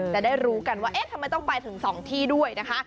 จะได้รู้กันว่าเอ๊ะทำไมต้องไปถึง๒ที่ด้วยนะคะ